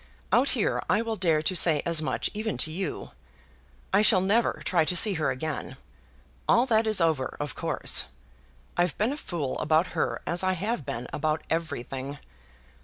Out here I will dare to say as much even to you. I shall never try to see her again. All that is over, of course. I've been a fool about her as I have been about everything.